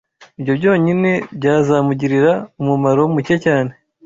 Ibyo byonyine byazamugirira umumaro muke cyane